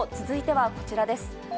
続いてはこちらです。